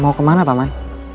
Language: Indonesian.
mau kemana paman